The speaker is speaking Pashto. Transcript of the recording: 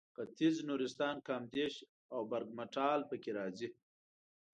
ختیځ نورستان کامدېش او برګمټال پکې راځي.